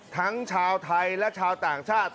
ทั้งชาวไทยและชาวต่างชาติ